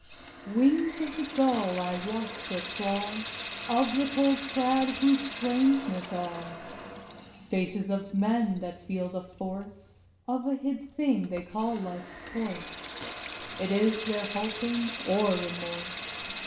Wings of the gull I watch or claws Of the cold crab whose strangeness awes: Faces of men that feel the force Of a hid thing they call life's course: It is their hoping or remorse.